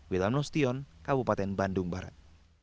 wilam nustion kabupaten bandung barat